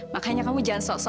makanya kamu jangan sok sok